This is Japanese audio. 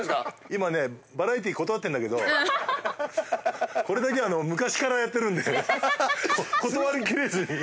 今ねバラエティー断ってるんだけどこれだけは昔からやってるんで断り切れずに。